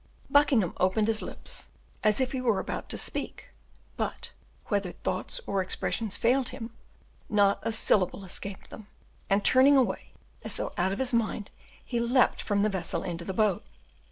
Buckingham opened his lips, as if he were about to speak, but, whether thoughts or expressions failed him, not a syllable escaped them, and turning away, as though out of his mind, he leapt from the vessel into the boat.